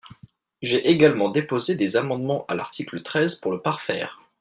J’ai également déposé des amendements à l’article treize pour le parfaire.